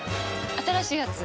新しいやつ？